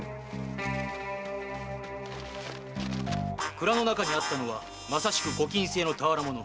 蔵の中にあったのはまさしく御禁制の俵物。